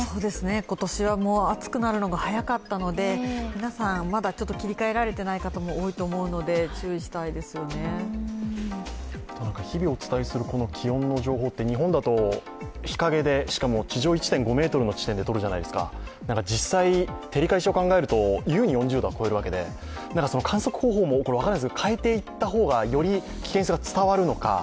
今年は暑くなるのが早かったので皆さんまだ切り替えられていない方も多いと思うので日々お伝えする気温の情報って、日本だと、日陰でしかも地上１．５ｍ地点でとるじゃないですか実際、照り返しを考えると優に４０度は超えるわけで観測方法も変えていった方が、より危険性が伝わるのか。